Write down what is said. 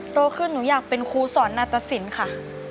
โตขึ้นหนูอยากเป็นครูสอนนาตสินค่ะ